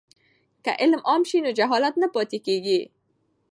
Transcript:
که علم عام شي نو جهالت نه پاتې کیږي.